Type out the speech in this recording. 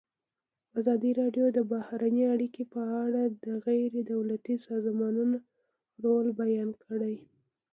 ازادي راډیو د بهرنۍ اړیکې په اړه د غیر دولتي سازمانونو رول بیان کړی.